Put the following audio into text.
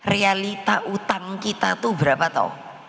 realita utang kita itu berapa tau